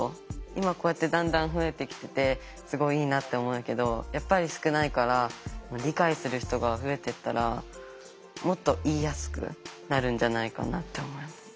今こうやってだんだん増えてきててすごいいいなって思うけどやっぱり少ないから理解する人が増えていったらもっと言いやすくなるんじゃないかなって思う。